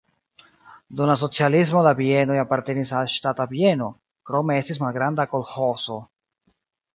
Dum la socialismo la bienoj apartenis al ŝtata bieno, krome estis malgranda kolĥozo.